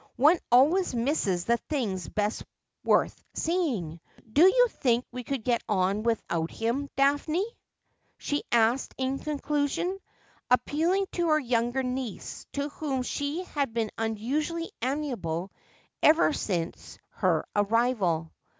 One always misses the things best worth seeing. Do you think we could get on without him, Daphne ?' she asked in conclusion, appealing to her younger niece, to whom she had been unusually amiable ever since her arrival.